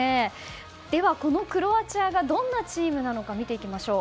では、このクロアチアがどんなチームなのか見ていきましょう。